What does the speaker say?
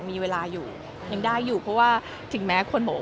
มีเวลาอยู่ยังได้อยู่เพราะว่าถึงแม้คนบอกว่า